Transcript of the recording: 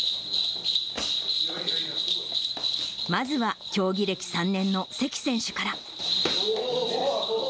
まずは競技歴３年の関選手から。